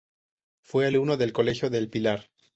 Fue alumno del Colegio del Pilar.